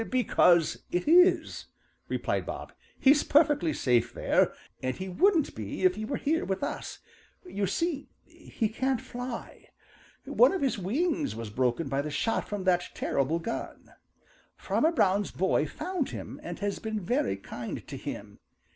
"Because it is," replied Bob. "He's perfectly safe there, and he wouldn't be if he were here with us. You see, he can't fly. One of his wings was broken by the shot from that terrible gun. Farmer Brown's boy found him and has been very kind to him.